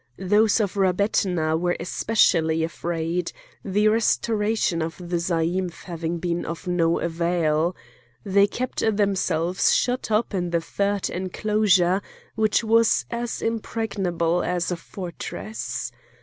Those of Rabbetna were especially afraid—the restoration of the zaïmph having been of no avail. They kept themselves shut up in the third enclosure which was as impregnable as a fortress.